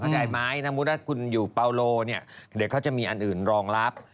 ได้ไหมถ้ามุติว่าคุณอยู่เปาโลเนี่ยเดี๋ยวเขาจะมีอันอื่นรองรับ